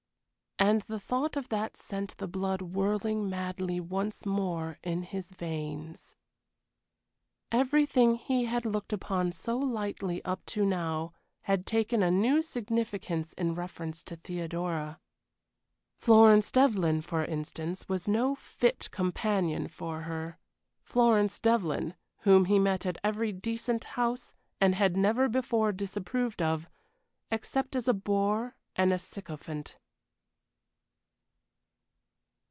And the thought of that sent the blood whirling madly once more in his veins. Everything he had looked upon so lightly up to now had taken a new significance in reference to Theodora. Florence Devlyn, for instance, was no fit companion for her Florence Devlyn, whom he met at every decent house and had never before disapproved of, except as a bore and a sycophant.